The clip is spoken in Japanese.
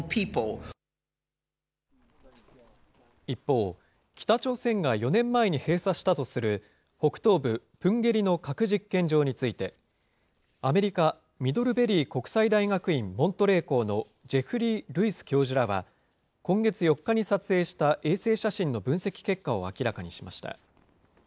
一方、北朝鮮が４年前に閉鎖したとする北東部プンゲリの核実験場について、アメリカ、ミドルベリー国際大学院モントレー校のジェフリー・ルイス教授らは、今月４日に撮影した衛星写真の分析結果を明らかにしました。